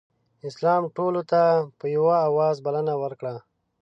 اسلام ټولو ته په یوه اواز بلنه ورکړه.